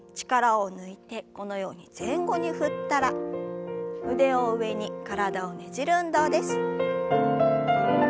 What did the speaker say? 力を抜いてこのように前後に振ったら腕を上に体をねじる運動です。